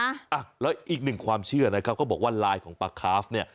อ่ะแล้วอีกหนึ่งความเชื่อนะครับเขาบอกว่าลายของปลาคาฟเนี่ย